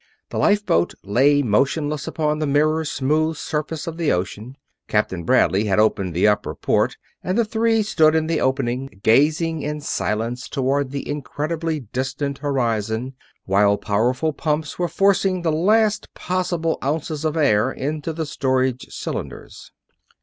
The lifeboat lay motionless upon the mirror smooth surface of the ocean. Captain Bradley had opened the upper port and the three stood in the opening, gazing in silence toward the incredibly distant horizon, while powerful pumps were forcing the last possible ounces of air into the storage cylinders.